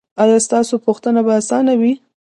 ایا ستاسو پوښتنه به اسانه وي؟